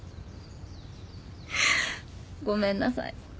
ごめんなさい